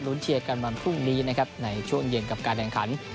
เชียร์กันวันพรุ่งนี้นะครับในช่วงเย็นกับการแข่งขัน